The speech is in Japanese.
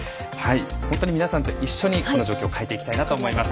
本当に皆さんと一緒にこの状況を変えていきたいなと思います。